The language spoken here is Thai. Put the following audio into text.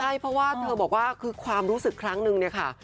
ใช่เพราะว่าเธอบอกว่าคือความรู้สึกครั้งนึงเนี่ยค่ะ